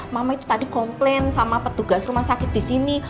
mama itu tadi komplain sama petugas rumah sakit disini